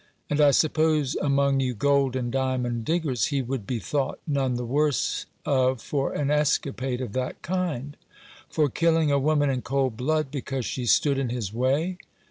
"And I suppose among you gold and diamond diggers he would be thought none the worse of for an escapade of that kind " "For killing a woman in cold blood, because she stood in his way